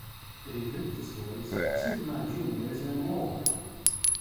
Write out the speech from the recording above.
It included the stories "Superman Junior Is No More!